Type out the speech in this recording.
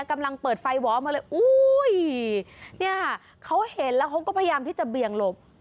กำลังเปิดไฟวอมาเลยอุ้ยเนี่ยค่ะเขาเห็นแล้วเขาก็พยายามที่จะเบี่ยงหลบ